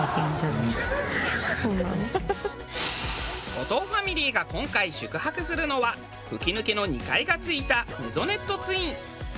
後藤ファミリーが今回宿泊するのは吹き抜けの２階が付いたメゾネットツイン。